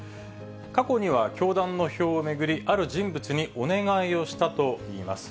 過去には、教団の票を巡り、ある人物にお願いをしたといいます。